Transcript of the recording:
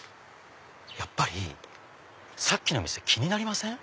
やっぱりさっきの店気になりません？